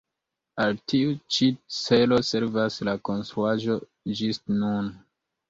Al tiu ĉi celo servas la konstruaĵo ĝis nun.